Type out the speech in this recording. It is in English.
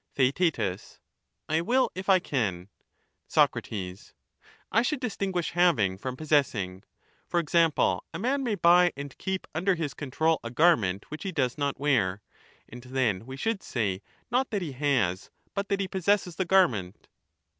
Theaet. I will, if I can. Soc. I should distinguish ' having ' from ' possessing ': for example, a man may buy and keep under his control a garment which he does not wear ; and then we should say, not that he has, but that he possesses the garment.